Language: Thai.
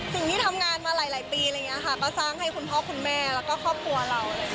ที่ทำงานมาหลายปีอะไรอย่างนี้ค่ะก็สร้างให้คุณพ่อคุณแม่แล้วก็ครอบครัวเรา